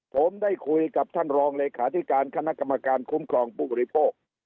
ผมได้คุยกับท่านรองเลขาธิการคณะกรรมการคุ้มครองผู้บริโภค